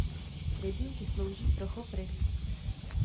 Rybníky slouží pro chov ryb.